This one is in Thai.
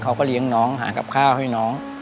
เขาก็เลี้ยงน้องหากับข้าวให้น้อง